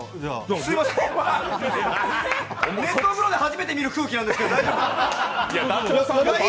熱湯風呂で初めて見る空気なんですけど大丈夫？